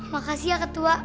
makasih ya ketua